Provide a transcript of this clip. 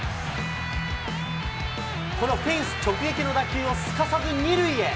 このフェンス直撃の打球をすかさず２塁へ。